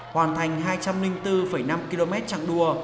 hoàn thành hai trăm linh bốn năm km chặng đua